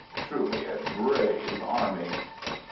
Truly a brave army!